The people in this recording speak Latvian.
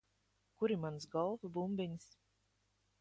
Kur ir manas golfa bumbiņas?